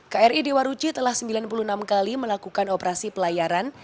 kri dewa ruci telah sembilan puluh enam kali melakukan operasi pelayaran